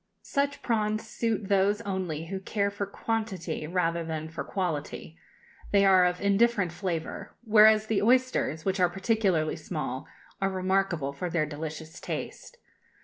Such prawns suit those only who care for quantity rather than for quality; they are of indifferent flavour; whereas the oysters, which are particularly small, are remarkable for their delicious taste.